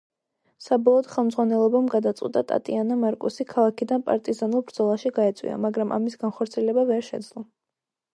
საბოლოოდ ხელმძღვანელობამ გადაწყვიტა ტატიანა მარკუსი ქალაქიდან პარტიზანულ ბრძოლაში გაეწვია, მაგრამ ამის განხორციელება ვერ შეძლო.